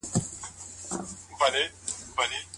ایا دا د اسلامي اصولو بنسټيزه غوښتنه ده؟